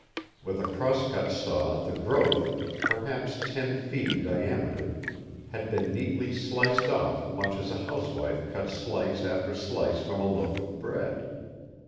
With a cross cut saw the growth, perhaps ten feet in diameter, had been neatly sliced off much as a housewife cuts slice after slice from a loaf of bread.